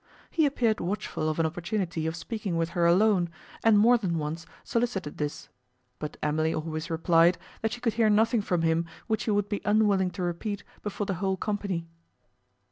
He appeared watchful of an opportunity of speaking with her alone, and more than once solicited this; but Emily always replied, that she could hear nothing from him which he would be unwilling to repeat before the whole company.